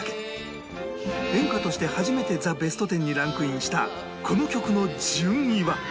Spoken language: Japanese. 演歌として初めて『ザ・ベストテン』にランクインしたこの曲の順位は？